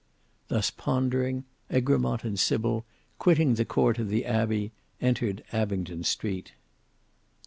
Thus pondering, Egremont and Sybil, quitting the court of the Abbey, entered Abingdon Street.